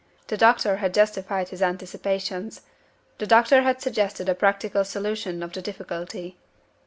The doctor had justified his anticipations. The doctor had suggested a practical solution of the difficulty.